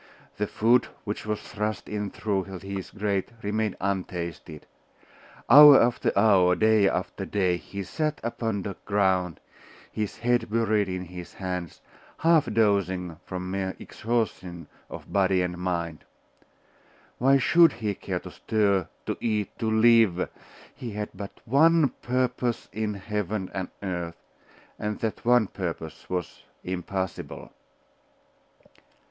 The food which was thrust in through his grate remained untasted; hour after hour, day after day, he sat upon the ground, his head buried in his hands, half dozing from mere exhaustion of body and mind. Why should he care to stir, to eat, to live? He had but one purpose in heaven and earth: and that one purpose was impossible.